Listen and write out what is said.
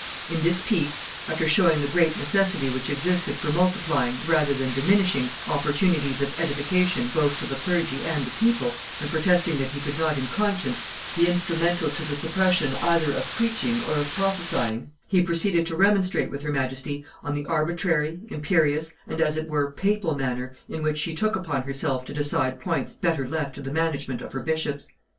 In this piece, after showing the great necessity which existed for multiplying, rather than diminishing, opportunities of edification both to the clergy and the people, and protesting that he could not in conscience be instrumental to the suppression either of preaching or prophesyings, he proceeded to remonstrate with her majesty on the arbitrary, imperious, and as it were papal manner, in which she took upon herself to decide points better left to the management of her bishops.